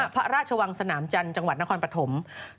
พระราชวังสนามจันทร์จังหวัดนครปฐม